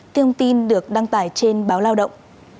tiêu tin được đăng tải trên báo lao động